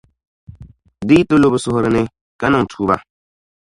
di yi ti lu bɛ suhuri ni, ka niŋ tuuba.